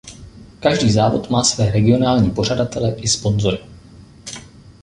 Každý závod má své regionální pořadatele i sponzory.